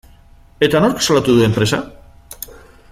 Eta nork salatu du enpresa?